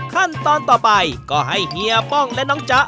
ขั้นตอนต่อไปก็ให้เฮียป้องและน้องจ๊ะ